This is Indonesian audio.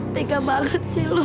tiga banget sih lu